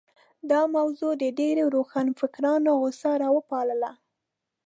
دا موضوع د ډېرو روښانفکرانو غوسه راوپاروله.